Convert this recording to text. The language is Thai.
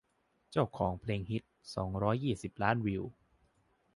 เจ้าของเพลงฮิต สองร้อยยี่สิบ ล้านวิว